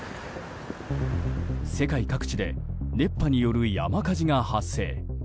世界各地で熱波による山火事が発生。